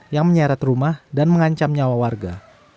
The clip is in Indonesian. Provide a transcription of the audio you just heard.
yang menyeret rumah dan mengancam nyawa warga